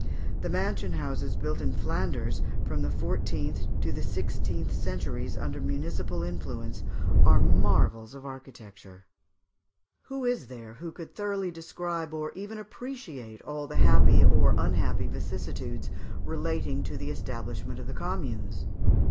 The mansion houses built in Flanders from the fourteenth to the sixteenth centuries, under municipal influence, are marvels of architecture. [Illustration: Fig. 37. Chimes of the Clock of St. Lambert of Liége.] Who is there who could thoroughly describe or even appreciate all the happy or unhappy vicissitudes relating to the establishment of the Communes?